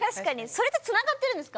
それとつながってるんですか？